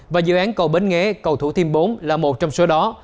và dự án cầu bến nghé cầu thủ thiêm bốn là một trong số đó